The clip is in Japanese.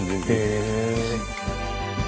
へえ。